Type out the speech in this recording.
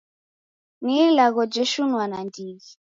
Ni ilagho jeshinua nandighi.